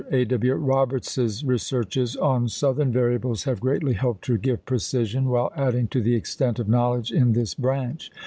A. W. Roberts's researches on southern variables have greatly helped to give precision, while adding to the extent of knowledge in this branch.